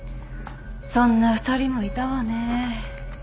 そんな２人もいたわねぇ。